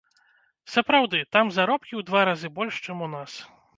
Сапраўды, там заробкі ў два разы больш, чым у нас.